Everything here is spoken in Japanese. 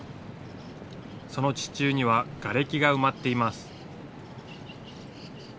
その地中にはがれきが埋まっています。